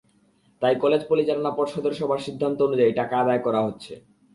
তাই কলেজ পরিচালনা পর্ষদের সভার সিদ্ধান্ত অনুযায়ী টাকা আদায় করা হচ্ছে।